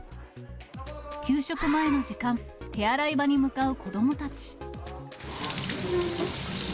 給食前の時間、手洗い場に向かう子どもたち。